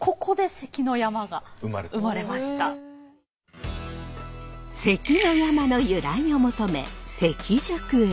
「関の山」の由来を求め関宿へ。